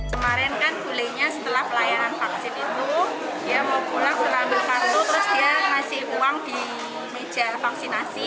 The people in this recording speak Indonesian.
kemarin kan bolehnya setelah pelayanan vaksin itu dia mau pulang udah ambil kartu terus dia ngasih uang di meja vaksinasi